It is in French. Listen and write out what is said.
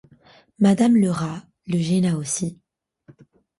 Madame Lerat le gêna aussi.